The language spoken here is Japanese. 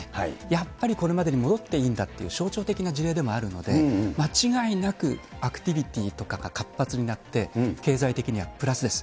やっぱりこれまでに戻っていいんだっていう象徴的な事例でもあるので、間違いなくアクティビティーとかが活発になって、経済的にはプラスです。